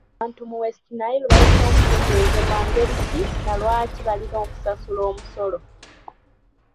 Abantu mu West Nile balina okutegezebwa ngeri ki na lwaki balina okusasula omusolo.